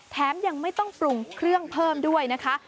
แถมยังไม่ต้องปรุงเครื่องเพิ่มด้วยนะคะ